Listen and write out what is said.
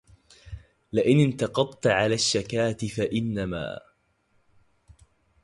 لئن انتقضت على الشكاة فإنما